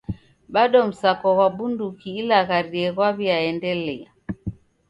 Bado msako ghwa bunduki ilagharie ghwaw'iaendelia.